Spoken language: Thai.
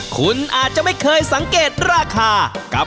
คุณอาจจะไม่เคยสังเกตราคากับ